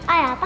oh ya pa